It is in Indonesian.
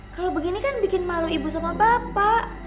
kalau begini kan bikin malu ibu sama bapak